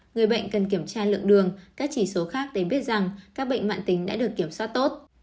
người bệnh cần kiểm tra lượng đường các chỉ số khác để biết rằng các bệnh mạng tính đã được kiểm soát tốt